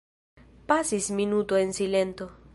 Pasis minuto en silento.